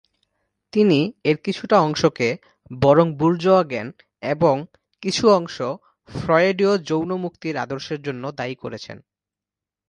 তিনি এর কিছুটা অংশকে "বরং বুর্জোয়া জ্ঞান" এবং কিছু অংশ ফ্রয়েডীয় যৌন মুক্তির আদর্শের জন্য দায়ী করেছেন।